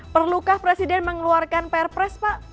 perlukah presiden mengeluarkan pr press pak